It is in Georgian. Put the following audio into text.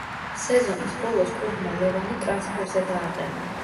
სეზონის ბოლოს კლუბმა ლევანი ტრანსფერზე დააყენა.